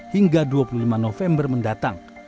hingga dua puluh lima november mendatang